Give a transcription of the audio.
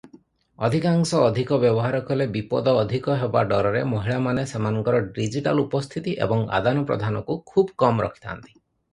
ଅଧିକାଂଶ ଅଧିକ ବ୍ୟବହାର କଲେ ବିପଦ ଅଧିକ ହେବା ଡରରେ ମହିଳାମାନେ ସେମାନଙ୍କର ଡିଜିଟାଲ ଉପସ୍ଥିତି ଏବଂ ଆଦାନପ୍ରଦାନକୁ ଖୁବ କମ ରଖିଥାନ୍ତି ।